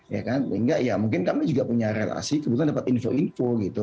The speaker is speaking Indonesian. ya kan sehingga ya mungkin kami juga punya relasi kebetulan dapat info info gitu